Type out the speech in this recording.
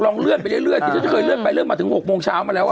ลองเลลื่อนไปเรื่อยเรื่อนที่ก็จะเคยเล่นไปเล่นมาถึงหกโมงเช้ามาแล้วอ่ะ